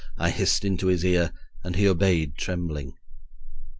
I hissed into his ear and he obeyed trembling.